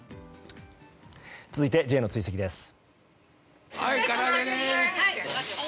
続いて、Ｊの追跡です。